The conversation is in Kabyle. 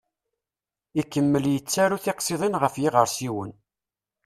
Ikemmel yettaru tiqsiḍin ɣef yiɣersiwen.